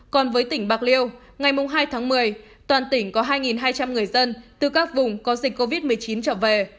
còn với tỉnh bạc liêu ngày hai tháng một mươi toàn tỉnh có hai hai trăm linh người dân từ các vùng có dịch covid một mươi chín trở về